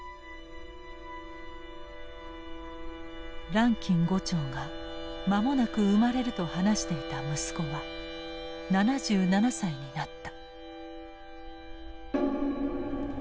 ランキン伍長が間もなく生まれると話していた息子は７７歳になった。